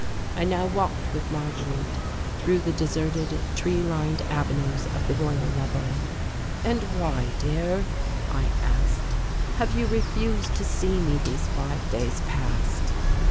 I now walked with Marguerite through the deserted tree lined avenues of the Royal Level. "And why, dear," I asked, "have you refused to see me these five days past?"